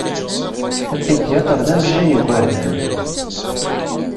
Apidyatr d amejjay n igʷerdan.